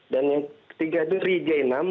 dan yang ketiga itu ri jae nam